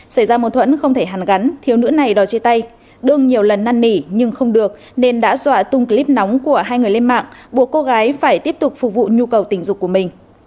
xảy ra mâu thuẫn không thể hàn gắn thiếu nữ này đòi chia tay đương nhiều lần năn nỉ nhưng không được nên đã dọa tung clip nóng của hai người lên mạng buộc cô gái phải tiếp tục phục vụ nhu cầu tình dục của mình